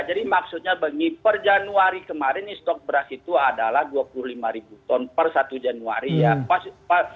jadi maksudnya per januari kemarin stok beras itu adalah rp dua puluh lima per satu januari ya